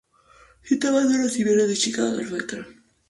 Citaba los duros inviernos de Chicago como el factor que motivó su cambio.